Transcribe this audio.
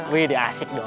wih dia asik dong